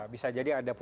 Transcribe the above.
bisa jadi ada putusannya